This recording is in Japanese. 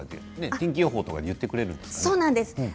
天気予報で言ってくれるんですか？